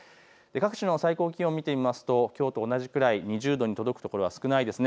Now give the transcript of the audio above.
各地の最高気温を見てみるときょうと同じくらい、２０度に届くところは少ないです。